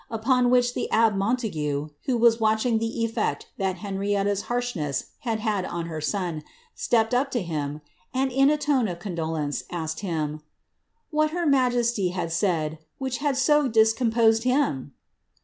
Upon which the abbe Montague, who was watching the efTect that Henrietta's harshness had had on her son, stepped up to him, and, in a tone of condolence, asked hirn, •* What her majesty had said, which had so discomposed him